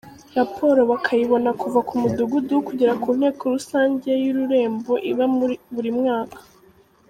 Raporo bakayibona kuva ku Mudugudu kugera ku Nteko rusange y’ururembo iba buri mwaka.